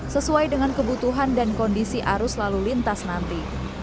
sesuai dengan kebutuhan dan kondisi arus lalu lintas nanti